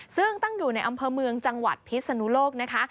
ซึ่งตั้งอยู่ในอำเภอเมืองจังหวัดพิศนุโลกนะคะ